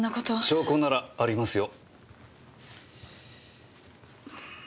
証拠ならありますよ。